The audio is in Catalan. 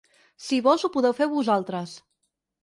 Si vols, ho podeu fer vosaltres.